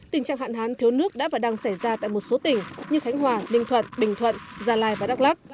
tình trạng hạn hán thiếu nước đã và đang xảy ra tại một số tỉnh như khánh hòa ninh thuận bình thuận gia lai và đắk lắc